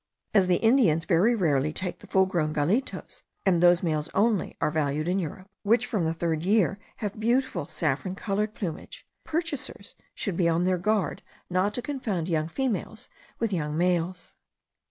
As the Indians very rarely take the full grown gallitos, and those males only are valued in Europe, which from the third year have beautiful saffron coloured plumage, purchasers should be on their guard not to confound young females with young males.